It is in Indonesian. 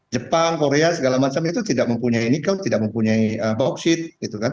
jepang korea segala macam itu tidak mempunyai nikel tidak mempunyai bauksit gitu kan